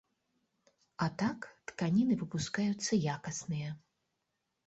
А так, тканіны выпускаюцца якасныя.